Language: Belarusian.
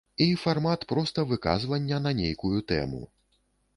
І фармат проста выказвання на нейкую тэму.